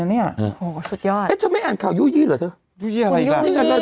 แล้วเนี่ยโหสุดยอดถ้าไม่อ่านข่าวยูยี่หรอเธอ